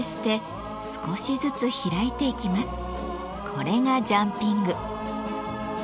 これがジャンピング。